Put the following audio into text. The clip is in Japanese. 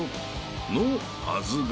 ［のはずが］